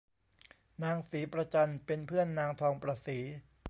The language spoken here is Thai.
นางศรีประจันเป็นเพื่อนนางทองประศรี